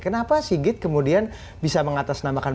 kenapa sigit kemudian bisa mengatasnamakan